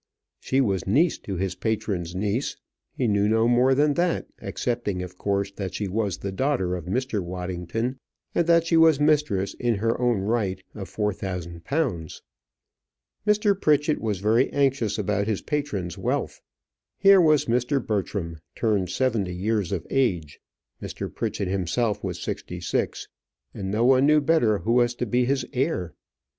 She was niece to his patron's niece; he knew no more than that, excepting, of course, that she was the daughter of Mr. Waddington, and that she was mistress in her own right of four thousand pounds. Mr. Pritchett was very anxious about his patron's wealth. Here was Mr. Bertram turned seventy years of age Mr. Pritchett himself was sixty six and no one knew who was to be his heir.